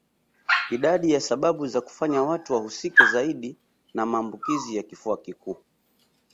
Idadi ya sababu za kufanya watu wahusike zaidi na maambukizi ya kifua kikuu